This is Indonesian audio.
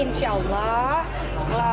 insya allah kalau allah